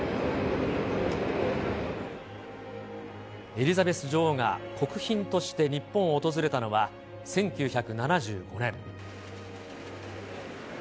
エリザベス女王が国賓として日本を訪れたのは、１９７５年。